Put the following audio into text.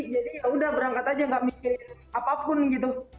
jadi ya udah berangkat aja gak mikirin apapun gitu